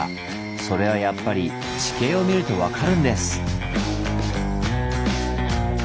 それはやっぱり地形を見ると分かるんです。